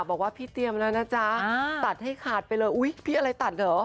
บอกว่าพี่เตรียมแล้วนะจ๊ะตัดให้ขาดไปเลยอุ๊ยพี่อะไรตัดเหรอ